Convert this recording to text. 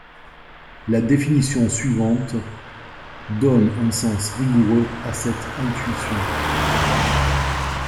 La définition suivante donne un sens rigoureux à cette intuition.